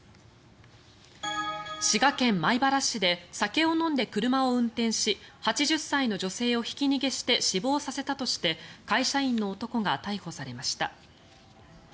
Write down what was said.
滋賀県米原市で酒を飲んで車を運転し８０歳の女性をひき逃げして死亡させたとして会社員の男が逮捕されました。